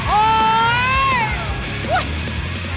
โอห์